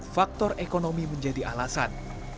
faktor ekonomi menjadi alasan